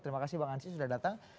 terima kasih bang ansy sudah datang